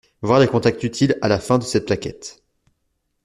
Voir les contacts utiles à la fin de cette plaquette.